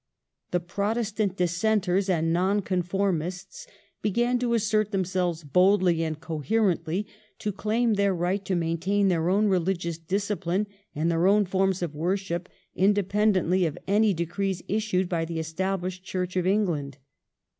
The Protes tant Dissenters and Nonconformists began to assert themselves boldly and coherently, and to claim their right to maintain their own religious discipline and their own forms of worship independently of any decrees issued by the Established Church of England.